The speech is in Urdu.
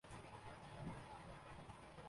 مصر ڈکٹیٹرشپ کی لپیٹ میں پھر سے ہے۔